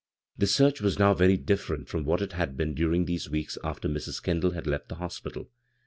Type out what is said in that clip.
The search now was very different from what it had been during those weeks after Mrs. Kendall had left the hospital.